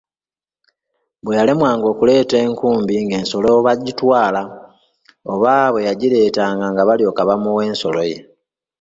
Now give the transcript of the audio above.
Bwe yalemwanga okuleeta enkumbi ng’ensolo bazitwala oba bwe yagireetanga nga balyoka bamuwa ensolo ye.